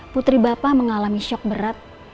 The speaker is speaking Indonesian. putri bapak mengalami shock berat